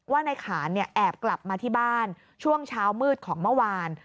ว่าในขานแอบกลับมาที่บ้านช่วงเช้ามืดของเมื่อวาน